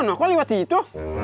kok liwat situ